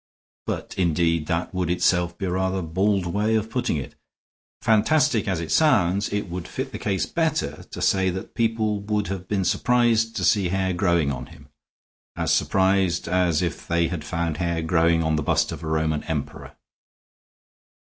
But, indeed, that would itself be a rather bald way of putting it. Fantastic as it sounds, it would fit the case better to say that people would have been surprised to see hair growing on him; as surprised as if they had found hair growing on the bust of a Roman emperor.